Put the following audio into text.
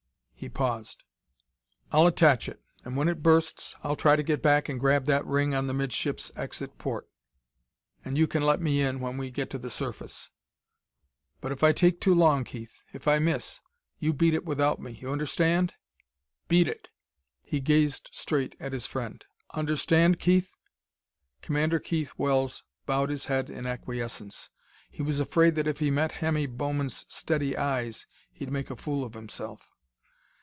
He paused. "I'll attach it; and when it bursts I'll try to get back and grab that ring on the midships exit port, and you can let me in when we get to the surface. But if I take too long, Keith if I miss you beat it without me. You understand? Beat it!" He gazed straight at his friend. "Understand, Keith?" Commander Keith Wells bowed his head in acquiescence. He was afraid that if he met Hemmy Bowman's steady eyes he'd make a fool of himself....